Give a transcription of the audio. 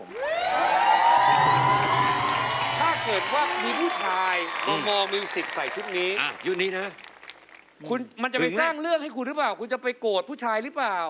มันจะไปสร้างเรื่องให้คุณหรือเปล่าคุณจะไปโกรธผู้ชายหรือเปล่า